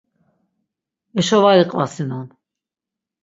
Eşo var iqvasinon.